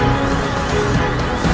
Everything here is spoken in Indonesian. aku akan menangkapmu